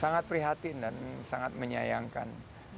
sangat prihatin dan sangat menyayangkan